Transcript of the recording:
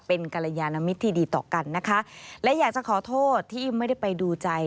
เป็นกรยานมิตรที่ดีต่อกันนะคะและอยากจะขอโทษที่ไม่ได้ไปดูใจ